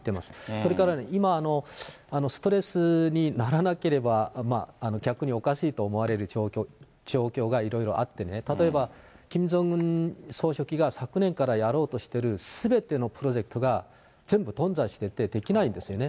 それから今、ストレスにならなければ逆におかしいと思われる状況がいろいろあってね、例えばキム・ジョンウン総書記が昨年からやろうとしてるすべてのプロジェクトが全部頓挫してて、できないんですよね。